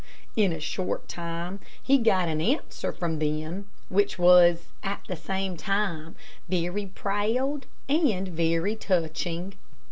In a short time, he got an answer from them, which was, at the same time, very proud and very touching.